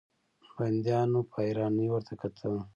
بنديانو په حيرانۍ ورته کتل.